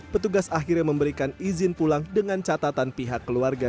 petugas akhirnya memberikan izin pulang dengan catatan pihak keluarga